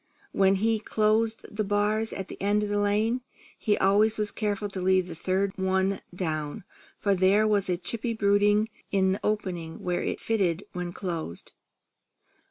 When he closed the bars at the end of the lane, he always was careful to leave the third one down, for there was a chippy brooding in the opening where it fitted when closed.